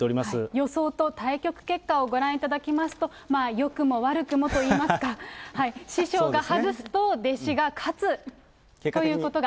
予想と対局結果をご覧いただきますと、よくも悪くもといいますか、師匠が外すと弟子が勝つということが。